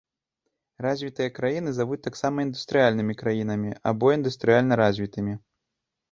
Развітыя краіны завуць таксама індустрыяльнымі краінамі або індустрыяльна развітымі.